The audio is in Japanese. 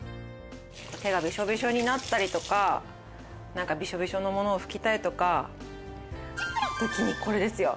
手がビショビショになったりとかなんかビショビショのものを拭きたいとかって時にこれですよ！